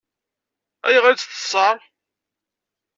Ayɣer i tt-teṣṣeṛ?